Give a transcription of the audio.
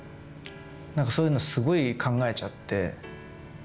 なんかそういうの、すごい考えちゃって。